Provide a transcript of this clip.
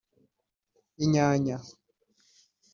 inyanya